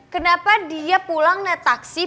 kenapa dia pulang naik taksi